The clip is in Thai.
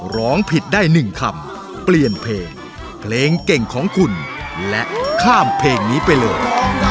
ร้องผิดได้๑คำเปลี่ยนเพลงเพลงเก่งของคุณและข้ามเพลงนี้ไปเลย